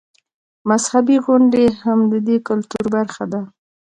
مذهبي غونډې هم د دې کلتور برخه ده.